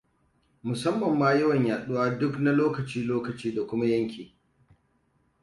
Musamman ma, yawan yaduwa, duk na lokaci-lokaci da kuma yanki.